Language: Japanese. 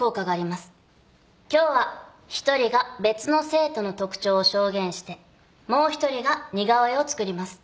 今日は一人が別の生徒の特徴を証言してもう一人が似顔絵を作ります。